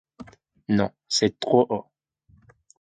Non, c’est trop haut.